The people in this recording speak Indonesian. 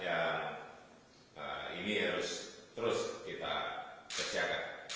ya ini harus terus kita kerjakan